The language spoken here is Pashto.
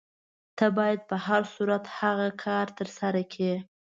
ته باید په هر صورت هغه کار ترسره کړې.